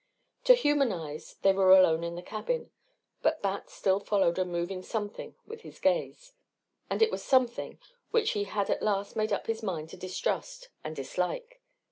To human eyes they were alone in the cabin. But Bat still followed a moving something with his gaze. And it was something which he had at last made up his mind to distrust and dislike.